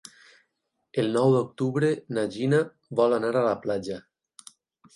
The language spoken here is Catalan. El nou d'octubre na Gina vol anar a la platja.